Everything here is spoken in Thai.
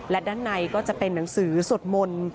และด้านในก็จะเป็นหนังสือสวดมนต์